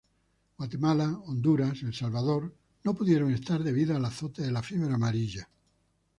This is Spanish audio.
Guatemala, Honduras, El Salvador, no pudieron estar debido al azote de la fiebre amarilla.